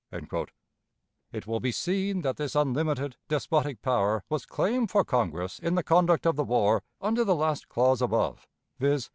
It will be seen that this unlimited, despotic power was claimed for Congress in the conduct of the war under the last clause above, viz.